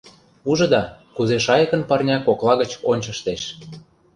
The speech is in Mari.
Ужыда, кузе шайыкын парня кокла гыч ончыштеш.